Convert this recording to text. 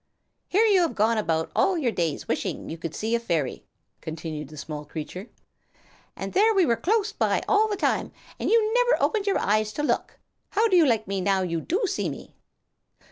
"Here you have gone about all your days wishing you could see a fairy," continued the small creature, "and there we were close by all the time, and you never opened your eyes to look. How do you like me now you do see me?"